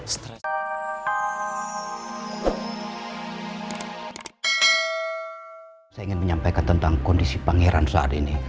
saya ingin menyampaikan tentang kondisi pangeran saat ini